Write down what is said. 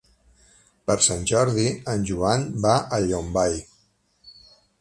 Per Sant Jordi en Joan va a Llombai.